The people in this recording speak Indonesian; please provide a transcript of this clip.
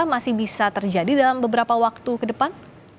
masih bisa terjadi dalam beberapa waktu ke depan